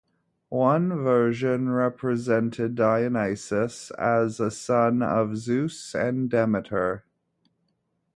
One version represented Dionysus as a son of Zeus and Demeter.